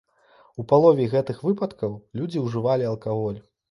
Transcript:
У палове гэтых выпадкаў людзі ўжывалі алкаголь.